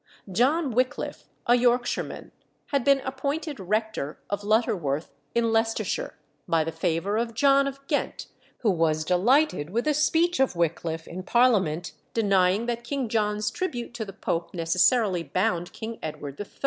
John Wickliffe, a Yorkshireman, had been appointed rector of Lutterworth, in Leicestershire, by the favour of John of Ghent, who was delighted with a speech of Wickliffe in Parliament denying that King John's tribute to the Pope necessarily bound King Edward III.